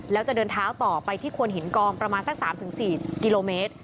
แล้วจะเดินเท้าต่อไปที่ควนหินกองประมาณสัก๓๔กิโลเมตร